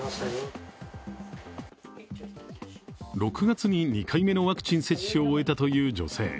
６月に２回目のワクチン接種を終えたという女性。